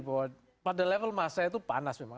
bahwa pada level masa itu panas memang